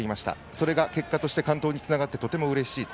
それが結果として完投につながってとてもうれしい。